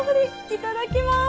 いただきます。